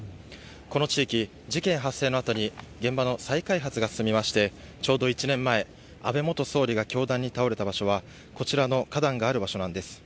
この地域、事件発生のあとに現場の再開発が進みまして、ちょうど１年前、安倍元総理が凶弾に倒れた場所は、こちらの花壇がある場所なんです。